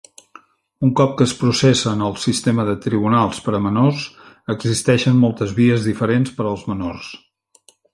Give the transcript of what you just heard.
Un cop que es processa en el sistema de tribunals per a menors, existeixen moltes vies diferents per als menors.